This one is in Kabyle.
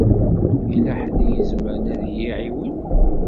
Yella ḥedd i izemren ad y-iɛiwen?